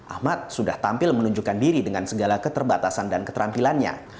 ahmad sudah tampil menunjukkan diri dengan segala keterbatasan dan keterampilannya